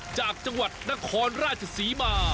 จากจังหวัดนครราชศรีมา